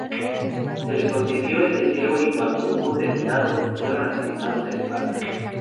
Se le concedió el deseo y cuando hubo terminado, fueron asesinados a espada.